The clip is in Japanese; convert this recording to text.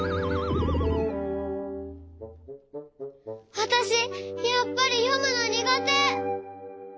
わたしやっぱりよむのにがて。